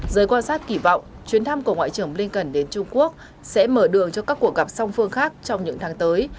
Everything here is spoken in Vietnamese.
giới quan sát kỳ vọng chuyến thăm của ngoại trưởng blinken đến trung quốc sẽ mở đường cho các cuộc gặp song phương khác trong những tháng tới